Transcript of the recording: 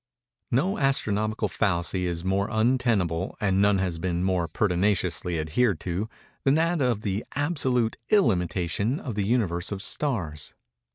No astronomical fallacy is more untenable, and none has been more pertinaciously adhered to, than that of the absolute illimitation of the Universe of Stars.